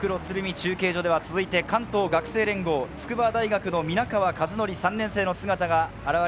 中継所では関東学生連合、筑波大学の皆川和範・３年生の姿です。